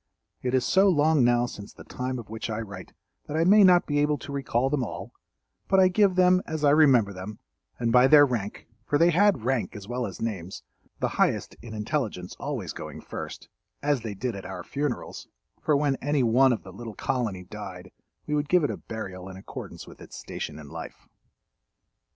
It is so long now since the time of which I write that I may not be able to recall them all, but I give them as I remember them and by their rank—for they had rank as well as names, the highest in intelligence always going first—as they did at our funerals; for when any one of the little colony died we would give it a burial in accordance with its station in life.